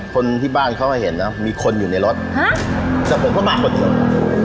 คนที่บ้านเขามาเห็นนะมีคนอยู่ในรถฮะแต่ผมก็มาคนเดียว